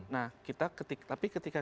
nah kita tapi ketika